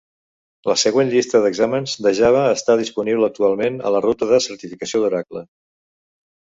La següent llista d'exàmens de Java està disponible actualment a la ruta de certificació d'Oracle.